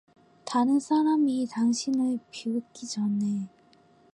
다른 사람이 당신을 비웃기 전에